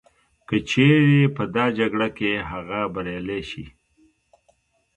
که چیري په دا جګړه کي هغه بریالی سي